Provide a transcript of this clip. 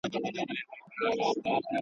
نو بیا ولي ګیله من یې له اسمانه.